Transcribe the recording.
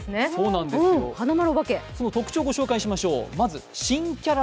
その特徴をご紹介しましょう。